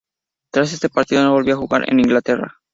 Tras este partido no volvió a jugar en Inglaterra.